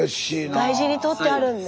大事に取ってあるんだ。